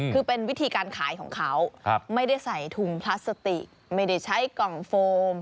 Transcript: คือเป็นวิธีการขายของเขาไม่ได้ใส่ถุงพลาสติกไม่ได้ใช้กล่องโฟม